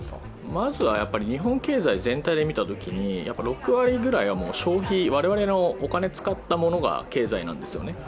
まずはやっぱり日本経済全体で見たときに６割くらいは消費、我々のお金を使ったものが経済なんですよね。